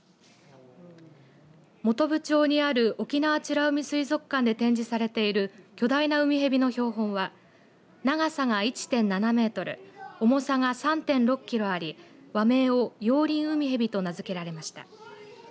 本部町にある沖縄美ら海水族館で展示されている巨大なウミヘビの標本は長さが１．７メートル重さが３．６キロあり和名をヨウリンウミヘビと名付けられました。